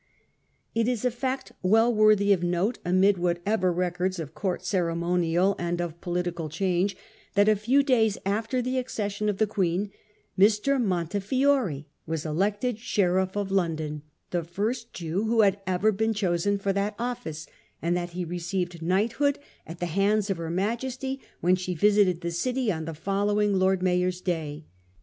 It is a fact well worthy of note amid whatever re cords of court ceremonial and of political change, that a few days after the accession of the Queen, Mr. Mon tefiore was elected Sheriff of London, the first Jew who had ever been chosen for that office ; and that he received knighthood at the hands of her Majesty when she visited the City on the following Lord Mayor's day.